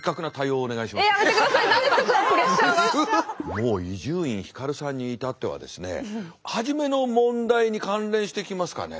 もう伊集院光さんに至ってはですね初めの問題に関連してきますかね。